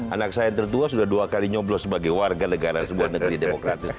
anak saya yang tertua sudah dua kali nyoblos sebagai warga negara sebuah negeri demokratis